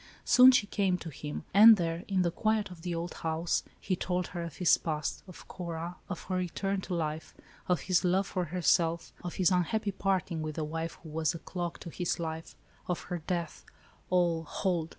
Soon she came to him; and there, in the quiet of the old house, Jie told her of his past, of Cora, of her return to life, of his love for herself, of his unhappy parting with the wife who was a clog to his life, of her death — all (hold